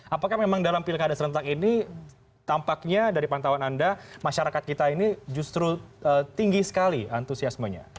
apakah memang dalam pilkada serentak ini tampaknya dari pantauan anda masyarakat kita ini justru tinggi sekali antusiasmenya